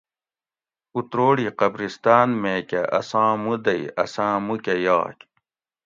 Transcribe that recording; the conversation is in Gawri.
اتروڑی قبرستان میکہ اساں مودئی اساں موکہ یاگ